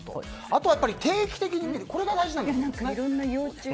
あとは定期的に見るこれが大事なんです。